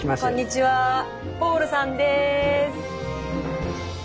ポールさんです！